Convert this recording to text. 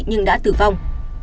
nhưng đã tử vong